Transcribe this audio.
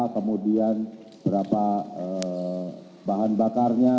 kemudian berapa bahan bakarnya